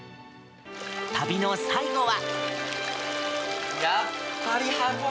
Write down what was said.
旅の最後は。